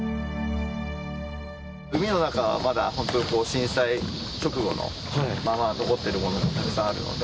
海の中はまだ本当に、震災直後のまま残っているものがたくさんあるので。